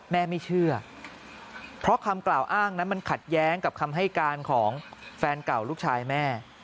แม่ไม่เชื่อเพราะคำกล่าวอ้างนั้นมันขัดแย้งกับคำให้การของแฟนเก่าลูกชายแม่